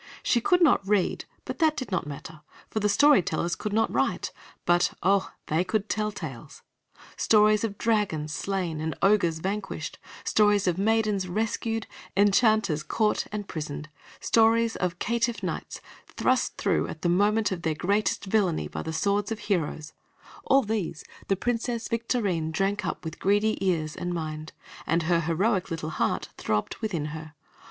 She could not read, but that did not matter, for the story tellers could not write, but oh! they could tell tales. Stories of dragons slain and ogres vanquished, stories of maidens rescued, enchanters caught and prisoned, stories of caitiff knights thrust through at the moment of their greatest villainy by the swords of heroes, all these the Princess Victorine drank up with greedy ears and mind, and her heroic little heart throbbed within her.